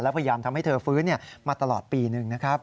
พยายามทำให้เธอฟื้นมาตลอดปีหนึ่งนะครับ